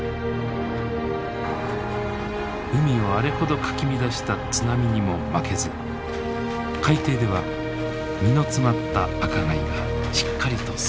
海をあれほどかき乱した津波にも負けず海底では身の詰まった赤貝がしっかりと育っていた。